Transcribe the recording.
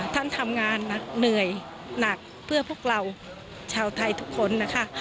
ท่านทำงานเหนื่อยหนักเพื่อพวกเราชาวไทยทุกคนนะคะ